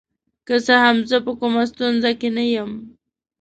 که څه هم زه په کومه ستونزه کې نه یم.